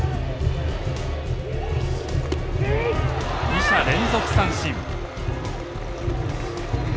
二者連続三振。